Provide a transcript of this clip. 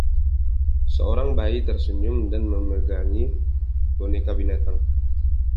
Seorang bayi tersenyum dan memegangi boneka binatang.